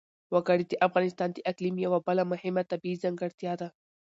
وګړي د افغانستان د اقلیم یوه بله مهمه طبیعي ځانګړتیا ده.